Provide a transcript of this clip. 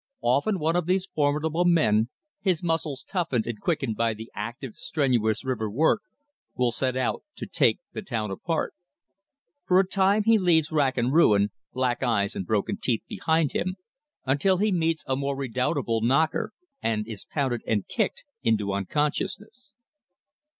Often one of these formidable men, his muscles toughened and quickened by the active, strenuous river work, will set out to "take the town apart." For a time he leaves rack and ruin, black eyes and broken teeth behind him, until he meets a more redoubtable "knocker" and is pounded and kicked into unconsciousness.